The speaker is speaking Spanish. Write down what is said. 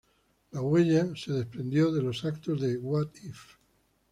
La huella se desprendió de los eventos de "What If?